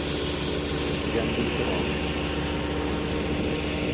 Ja en tinc prou.